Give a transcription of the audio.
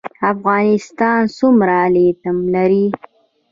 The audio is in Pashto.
افغانستان څومره لیتیم لري؟